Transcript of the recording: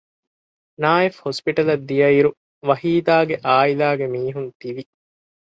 ނާއިފް ހޮސްޕިޓަލަށް ދިޔައިރު ވަހީދާގެ އާއިލާގެ މީހުން ތިވި